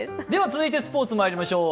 続いてスポーツにまいりましょう。